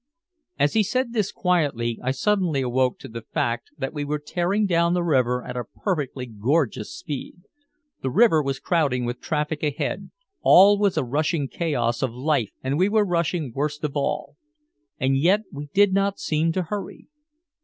As he said this quietly, I suddenly awoke to the fact that we were tearing down the river at a perfectly gorgeous speed. The river was crowding with traffic ahead, all was a rushing chaos of life and we were rushing worst of all. And yet we did not seem to hurry.